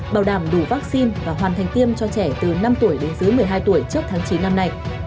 bảo đảm đủ vaccine và hoàn thành tiêm cho trẻ từ năm tuổi đến dưới một mươi hai tuổi trước tháng chín năm nay